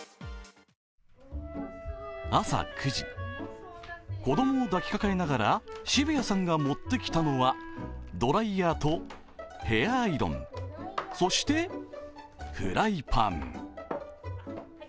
朝９時、子供を抱きかかえながら渋谷さんが持ってきたのはドライヤーとヘアアイロン、そしてフライパン。